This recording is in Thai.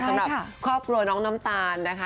สำหรับครอบครัวน้องน้ำตาลนะคะ